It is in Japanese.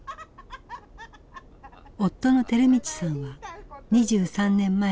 夫の照道さんは２３年前に他界。